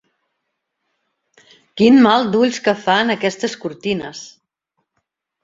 Quin mal d'ulls que fan, aquestes cortines!